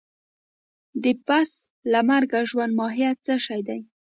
د پس له مرګه ژوند ماهيت څه شی دی؟